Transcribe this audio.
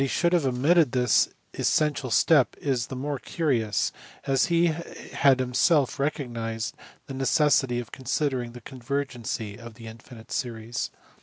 should have omitted this essential step is the more curious as he had himself recognized the necessity of considering the coiivergency of infinite series.